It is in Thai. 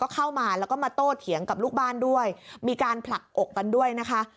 เข้ามาแล้วก็มาโต้เถียงกับลูกบ้านด้วยมีการผลักอกกันด้วยนะคะ